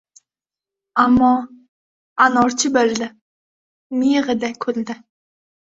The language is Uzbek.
Ammo anorchi bildi — miyig‘ida kuldi.